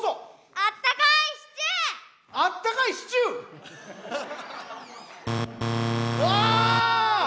あったかいシチュー！わ！